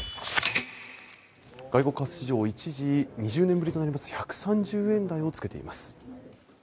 外国為替市場、一時、２０年ぶりとなります、１３０円台をつけています。